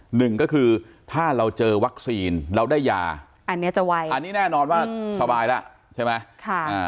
หนึ่งก็คือถ้าเราเจอวัคซีนเราได้ยาอันนี้จะไวอันนี้แน่นอนว่าสบายแล้วใช่ไหม